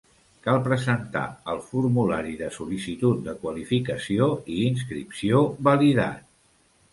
Cal presentar el formulari de sol·licitud de qualificació i inscripció validat.